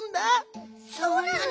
そうなの？